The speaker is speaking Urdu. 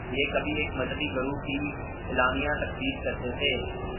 یہ کبھی ایک مذہبی گروہ کی اعلانیہ تکفیر کرتے تھے۔